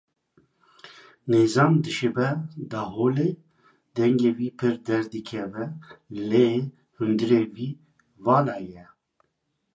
Nezan dişibe daholê, dengê wî pir derdikeve lê hundirê wî vala ye.